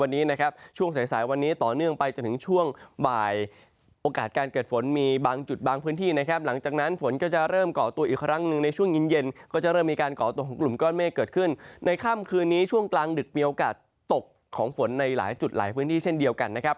ในหลายจุดหลายพื้นที่เช่นเดียวกันนะครับ